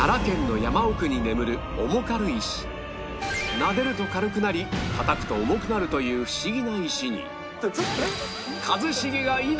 なでると軽くなり叩くと重くなるというフシギな石に